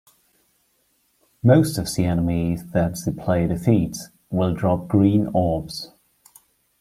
Most of the enemies that the player defeats will drop green orbs.